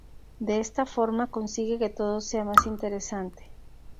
De esta forma, consigue que todo sea más interesante.